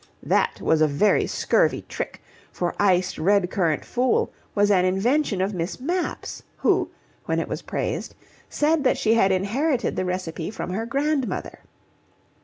That was a very scurvy trick, for iced red currant fool was an invention of Miss Mapp's, who, when it was praised, said that she inherited the recipe from her grandmother.